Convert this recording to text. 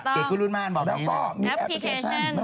ติดกุลหลุ่นมากบอกมีนะฮะแล้วก็มีแอปพลิเคชันครับผม